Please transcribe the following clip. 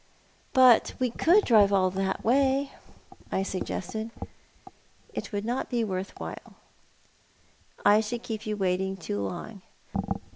" But we could all drive that way," I suggested. " It would not be worth while. I should keep you waiting too long.